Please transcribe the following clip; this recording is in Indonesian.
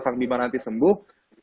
kang bima nanti sembuh